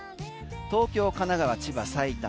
東京、神奈川、千葉、埼玉